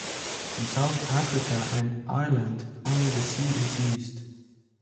In South Africa and Ireland, only the c is used.